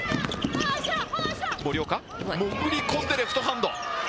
森岡、潜り込んでレフトハンド！